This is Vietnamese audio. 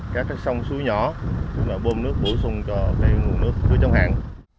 các sông suối nhỏ bôm nước bổ sung cho nguồn nước chống hạn